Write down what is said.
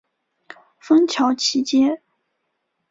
芬乔奇街。